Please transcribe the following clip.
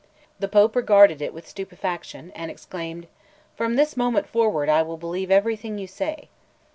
The Pope regarded it with stupefaction, and exclaimed: "From this moment forward I will believe everything you say."